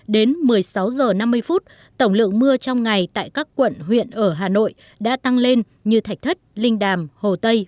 đến một mươi sáu h năm mươi tổng lượng mưa trong ngày tại các quận huyện ở hà nội đã tăng lên như thạch thất linh đàm hồ tây